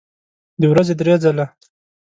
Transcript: د ورځې درې ځله